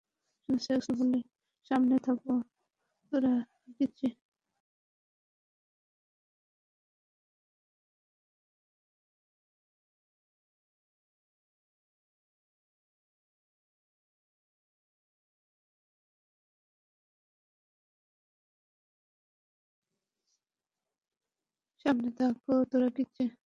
সামনে থাকো, তোরাকিচি!